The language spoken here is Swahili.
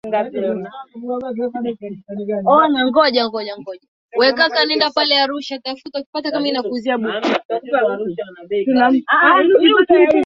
Wimbo wake huo uliitwa Chini ya Miaka kwa prodyuza Don Bosco